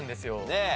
ねえ。